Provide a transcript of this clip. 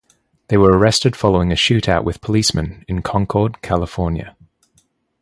They were arrested following a shootout with policemen in Concord, California.